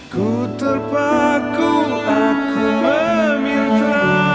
ku terpaku aku meminta